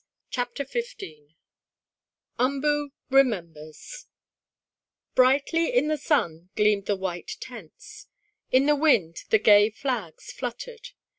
CHAPTER XV UMBOO REMEMBERS Brightly in the sun gleamed the white tents. In the wind the gay flags fluttered.